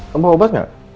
kamu obat gak